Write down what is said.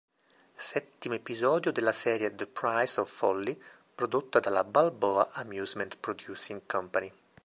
Settimo episodio della serie "The Price of Folly" prodotta dalla Balboa Amusement Producing Company.